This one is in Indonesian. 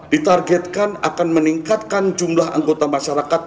ditargetkan akan meningkatkan jumlah anggota masyarakat